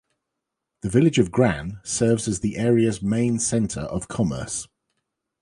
The village of Gran serves as the area's main center of commerce.